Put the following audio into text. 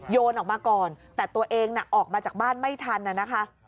โยนออกมาก่อนแต่ตัวเองน่ะออกมาจากบ้านไม่ทันนะคะ